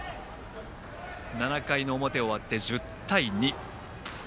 ７回の表終わって１０対２。